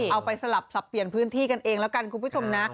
เอาไปสลับสับเปลี่ยนพื้นที่กันเองแล้วกันคุณผู้ชมนะ